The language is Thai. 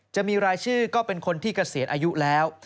จะมีรายชื่อก็เป็นคนที่เกษียณอายุแล้ว